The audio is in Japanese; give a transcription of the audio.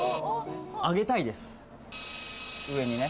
上げたいです上にね